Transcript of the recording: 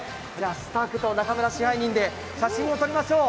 スタッフと中村支配人で写真を撮りましょう。